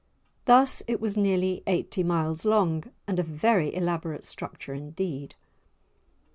Thus it was nearly eighty miles long, and a very elaborate structure indeed.